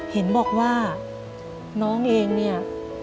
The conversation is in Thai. เห็นบอกว่าน้องเองเนี่ย